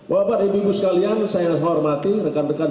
bapak dan ibu sekalian saya hormati rekan rekan jurnalistik